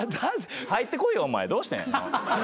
入ってこいよお前どうしてん？